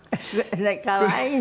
可愛いね。